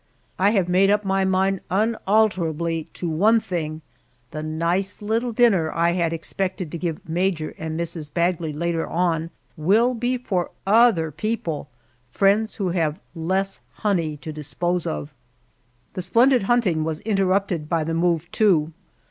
I have made up my mind unalterably to one thing the nice little dinner I had expected to give Major and Mrs. Bagley later on, will be for other people, friends who have had less honey to dispose of. The splendid hunting was interrupted by the move, too.